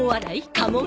鴨川？